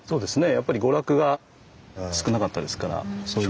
やっぱり娯楽が少なかったですからそういう。